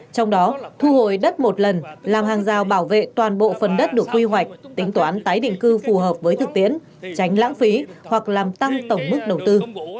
trong đó thu hồi đất một lần làm hàng rào bảo vệ toàn bộ phần đất được quy hoạch tính toán tái định cư phù hợp với thực tiễn tránh lãng phí hoặc làm tăng tổng mức đầu tư